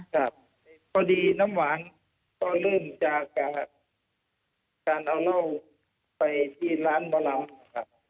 ครับพอดีน้ำหวานก็เริ่มจากการเอาเหล้าไปที่ร้านหมอลำครับ